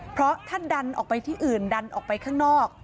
เพราะถ้าดันออกไปที่อื่นดันออกไปข้างนอก